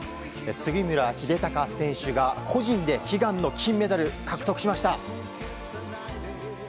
杉村英孝選手が個人で悲願の金メダルを獲得しました。